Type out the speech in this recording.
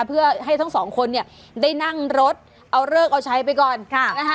เพื่อให้ทั้งสองคนเนี่ยได้นั่งรถเอาเลิกเอาใช้ไปก่อนค่ะนะฮะ